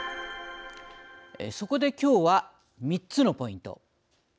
そこで、きょうは３つのポイント。